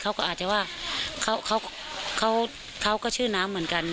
เขาก็อาจจะว่าเขาก็ชื่อน้ำเหมือนกัน